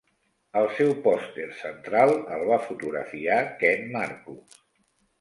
El seu pòster central el va fotografiar Ken Marcus.